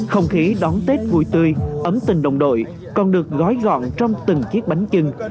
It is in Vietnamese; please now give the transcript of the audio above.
không khí đón tết vui tươi ấm tình đồng đội còn được gói gọn trong từng chiếc bánh trưng